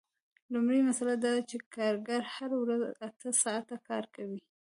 لومړۍ مسئله دا ده چې کارګر هره ورځ اته ساعته کار کوي